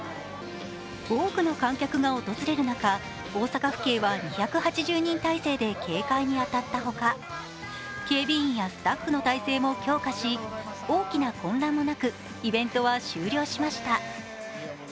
多くの観客が訪れる中大阪府警は２８０人態勢で警戒に当たったほか警備員やスタッフの態勢も強化し大きな混乱もなく、イベントは終了しました。